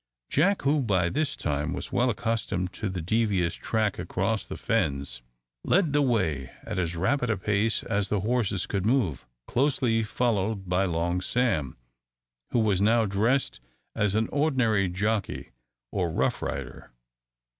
Jack, who by this time was well accustomed to the devious track across the fens, led the way at as rapid a pace as the horses could move, closely followed by Long Sam, who was now dressed as an ordinary jockey or rough rider.